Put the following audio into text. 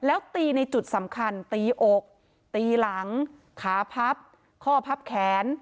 แล้วตีในจุดสำคัญตีอกตีหลังขาพับข้อพับแขน